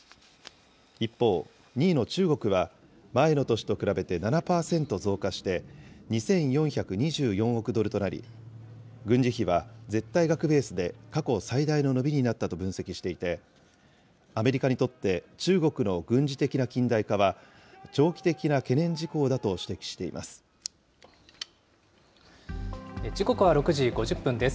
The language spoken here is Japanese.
一方、２位の中国は、前の年と比べて７％増加して、２４２４億ドルとなり、軍事費は絶対額ベースで過去最大の伸びになったと分析していて、アメリカにとって中国の軍事的な近代化は長期的な懸念時刻は６時５０分です。